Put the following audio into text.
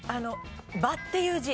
「場」っていう字。